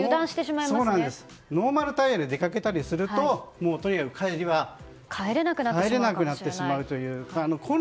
ノーマルタイヤで出かけたりすると帰れなくなってしまうという。